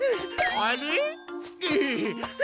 あれ！？